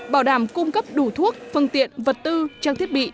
bảo đảm cung cấp đủ thuốc phương tiện vật tư trang thiết bị